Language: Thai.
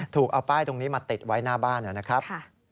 ถูกเอาป้ายตรงนี้มาติดไว้หน้าบ้านนะครับ